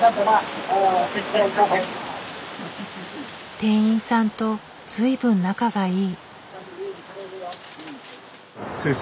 店員さんと随分仲がいい。